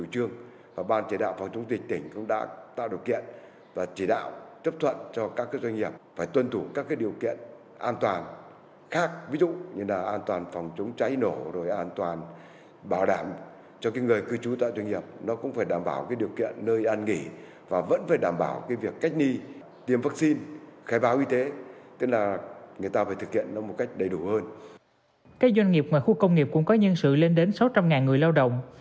các doanh nghiệp ngoài khu công nghiệp cũng có nhân sự lên đến sáu trăm linh người lao động